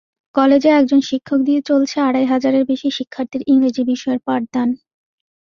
কলেজে একজন শিক্ষক দিয়ে চলছে আড়াই হাজারের বেশি শিক্ষার্থীর ইংরেজি বিষয়ের পাঠদান।